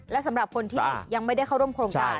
และสำหรับคนที่ยังไม่ได้เข้าร่วมโครงการ